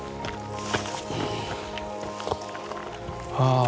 ああ。